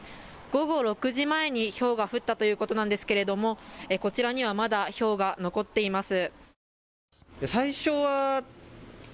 午後６時前にひょうが降ったということなんですけれどもこちらにはまだひょうが残っています。